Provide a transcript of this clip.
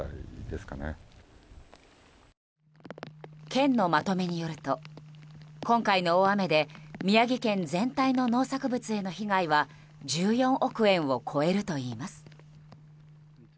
県のまとめによると今回の大雨で宮城県全体の農作物への被害は１４億円を超えるといいます。